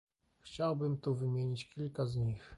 Chciałbym tu wymienić kilka z nich